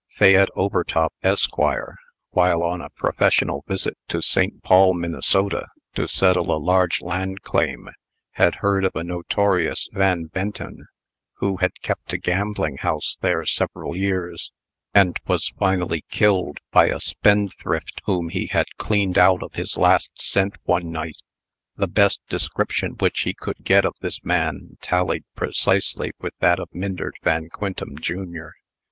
Fayette Overtop, Esq., while on a professional visit to St. Paul, Minnesota, to settle a large land claim, had heard of a notorious Van Benton, who had kept a gambling house there several years, and was finally killed by a spendthrift whom he had cleaned out of his last cent one night. The best description which he could get of this man, tallied precisely with that of Myndert Van Quintem, jr.